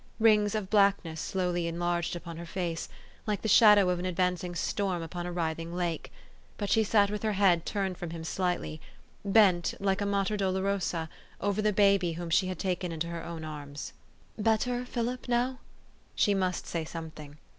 Rings of blackness slowly enlarged upon her face, like the shadow of an advancing storm upon a writhing lake. But she sat with her head turned from him slightly, bent, like a Mater Dolo rosa, over the baby whom she had taken into her own arms. " Better, Philip, now?" She must say some thing.